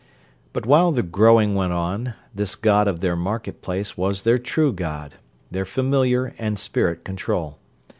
But while the Growing went on, this god of their market place was their true god, their familiar and spirit control.